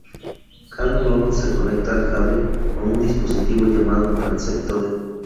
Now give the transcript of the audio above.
Cada nodo se conecta al cable con un dispositivo llamado transceptor.